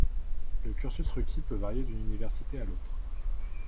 Le cursus requis peut varier d'une université à l'autre.